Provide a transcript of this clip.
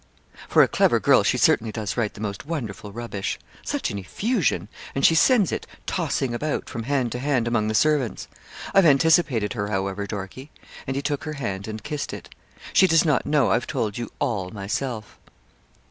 'For a clever girl she certainly does write the most wonderful rubbish. Such an effusion! And she sends it tossing about, from hand to hand, among the servants. I've anticipated her, however, Dorkie.' And he took her hand and kissed it. 'She does not know I've told you all myself.'